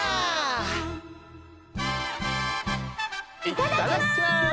いただきます！